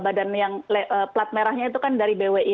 badan yang plat merahnya itu kan dari bwi